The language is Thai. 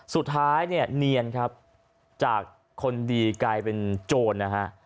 สุดท้ายเนี่ยเนียนครับจากคนดีกลายเป็นโจรนะฮะ